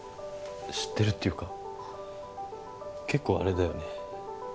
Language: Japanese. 知ってるっていうか結構あれだよね